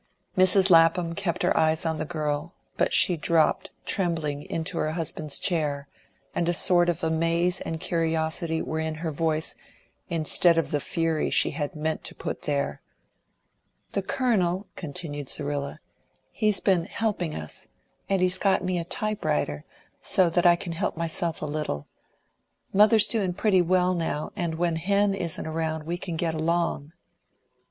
Mrs. Lapham kept her eyes on the girl, but she dropped, trembling, into her husband's chair, and a sort of amaze and curiosity were in her voice instead of the fury she had meant to put there. "The Colonel," continued Zerrilla, "he's been helping us, and he's got me a type writer, so that I can help myself a little. Mother's doing pretty well now; and when Hen isn't around we can get along."